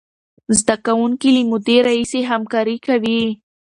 زده کوونکي له مودې راهیسې همکاري کوي.